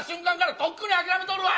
とっくに諦めとるわい。